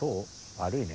悪いね。